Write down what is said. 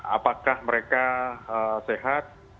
apakah mereka sehat